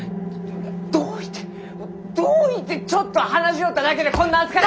どういてどういてちょっと話しよっただけでこんな扱いを！